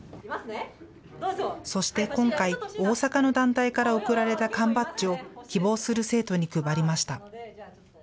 そして今回、大阪の団体から贈られた缶バッジを希望する生徒に配りました。